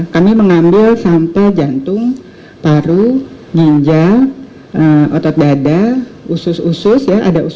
kami mengambil sampel jantung paru ginjal otot dada usus usus dan jantung